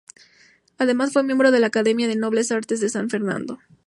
Además fue miembro de la Academia de Nobles Artes de San Fernando.